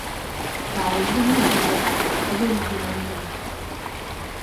Spausdino „Dirvos“ spaustuvė Marijampolėje.